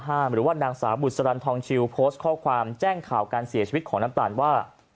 หรือว่านางสาวบุษรันทองชิวโพสต์ข้อความแจ้งข่าวการเสียชีวิตของน้ำตาลว่า